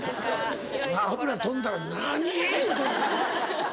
油飛んだら何⁉言うとる。